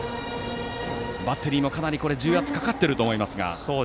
バッテリーもかなり重圧がかかっていると思いますが。